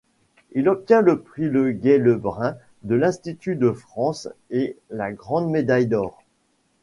Il obtient le prix Leguay-Lebrun de l’Institut de France et la grande médaille d’or.